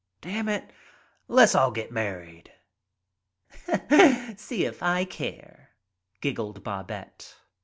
"Damn it, le's all get married." "See if I care," giggled Babette.